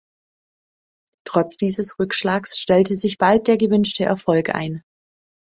Trotz dieses Rückschlags stellte sich bald der gewünschte Erfolg ein.